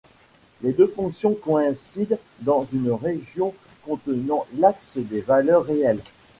Les deux fonctions coïncident dans une région contenant l'axe des valeurs réelles.